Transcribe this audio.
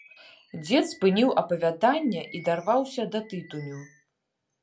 Дзед спыніў апавяданне і дарваўся да тытуню.